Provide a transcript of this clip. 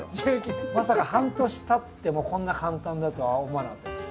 まさか半年たってもこんな簡単だとは思わなかったです。